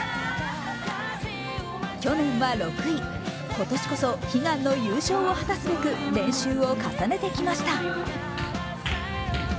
去年は６位、今年こそ悲願の優勝を果たすべく練習を重ねてきました。